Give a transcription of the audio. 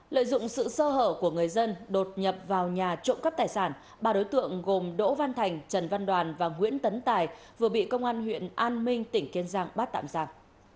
lợi dụng sự sơ hở của người dân đột nhập vào nhà trộm cắp tài sản ba đối tượng gồm đỗ văn thành trần văn đoàn và nguyễn tấn tài vừa bị công an huyện an minh tỉnh kiên giang bắt tạm giảm